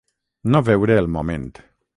No veure el moment.